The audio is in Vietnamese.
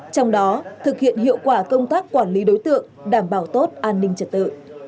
trong đó thực hiện hiệu quả công tác quản lý đối tượng đảm bảo tốt an ninh trật tự